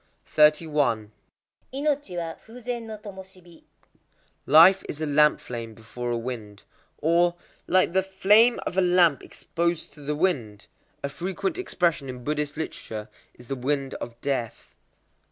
31.—Inochi wa fū zen no tomoshibi. Life is a lamp flame before a wind. Or, "like the flame of a lamp exposed to the wind." A frequent expression in Buddhist literature is "the Wind of Death."